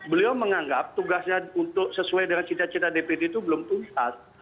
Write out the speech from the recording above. beliau menganggap tugasnya untuk sesuai dengan cita cita dpd itu belum tuntas